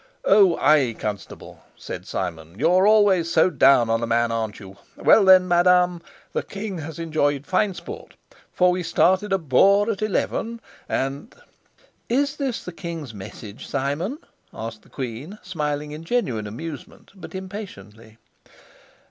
"Oh, ay, Constable," said Simon. "You're always so down on a man, aren't you? Well, then, madam, the king has enjoyed fine sport. For we started a boar at eleven, and " "Is this the king's message, Simon?" asked the queen, smiling in genuine amusement, but impatiently.